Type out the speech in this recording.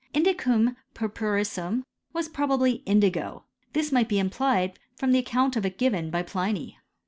Indicum purpurissum was probably indigo. This might be implied from the account of it gi^en by Pliny.